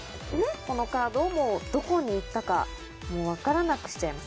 このカード、どこに行ったか、もうわからなくしちゃいます。